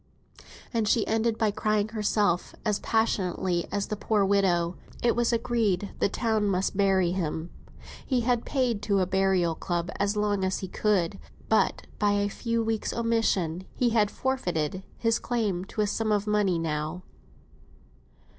And she ended by crying herself, as passionately as the poor widow. It was agreed that the town must bury him; he had paid to a burial club as long as he could; but by a few weeks' omission, he had forfeited his claim to a sum of money now.